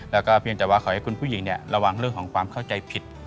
แล้วก็เพียงแต่ว่าขอให้คุณผู้หญิงระวังเรื่องของความเข้าใจผิด